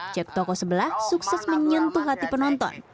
cek toko sebelah sukses menyentuh hati penonton